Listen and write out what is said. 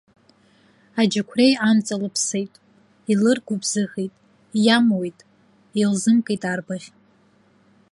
Аџьықәреи амҵалыԥсеит, илыргәыбзыӷит, иамуит, илзымкит арбаӷь.